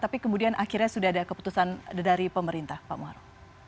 tapi kemudian akhirnya sudah ada keputusan dari pemerintah pak muharrem